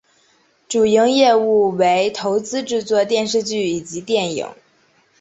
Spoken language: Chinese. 主营业务为投资制作电视剧以及电影。